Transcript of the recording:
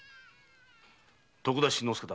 徳田新之助だ。